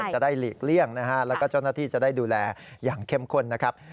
จะได้หลีกเลี่ยงแล้วก็เจ้าหน้าที่จะได้ดูแลอย่างเข้มข้น